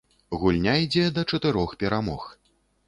Гульня ідзе да чатырох перамог.